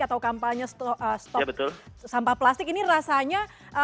atau kampanye stok sampah plastik ini rasanya